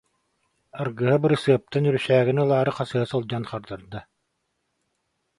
аргыһа бырысыаптан үрүсээгин ылаары хасыһа сылдьан хардарда